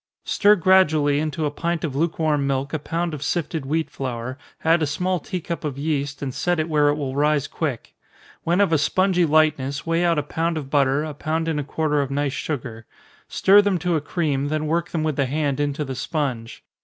_ Stir gradually into a pint of lukewarm milk a pound of sifted wheat flour, add a small tea cup of yeast, and set it where it will rise quick. When of a spongy lightness, weigh out a pound of butter, a pound and a quarter of nice sugar stir them to a cream, then work them with the hand into the sponge.